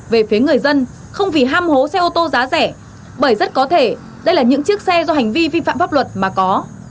về phía người dân không vì ham hố xe ô tô giá rẻ bởi rất có thể đây là những chiếc xe do hành vi vi phạm pháp luật mà có